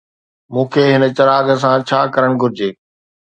مون کي هن چراغ سان ڇا ڪرڻ گهرجي؟